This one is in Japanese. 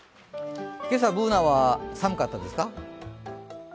今朝、Ｂｏｏｎａは寒かったですか？